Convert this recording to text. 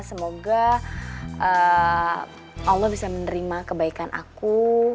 semoga allah bisa menerima kebaikan aku